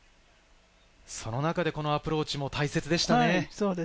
その中でこのアプローチも大切でしたね。